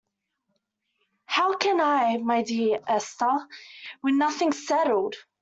How can I, my dear Esther, with nothing settled!